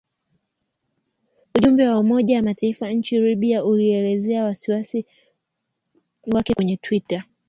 Ujumbe wa Umoja wa Mataifa nchini Libya ulielezea wasiwasi wake kwenye twita